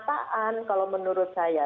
penataan kalau menurut saya